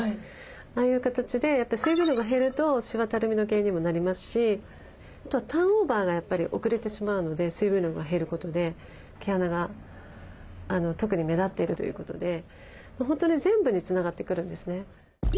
ああいう形でやっぱり水分量が減るとしわたるみの原因にもなりますしあとはターンオーバーがやっぱり遅れてしまうので水分量が減ることで毛穴が特に目立っているということで本当に全部につながってくるんですね。